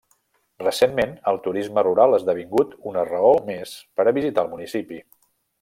Recentment, el turisme rural ha esdevingut una raó més per a visitar el municipi.